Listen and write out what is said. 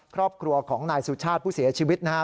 ครอบครัวของนายสุชาติผู้เสียชีวิตนะฮะ